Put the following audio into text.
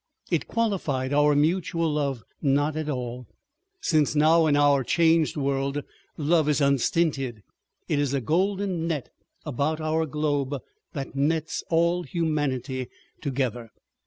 It qualified our mutual love not at all, since now in our changed world love is unstinted; it is a golden net about our globe that nets all humanity together.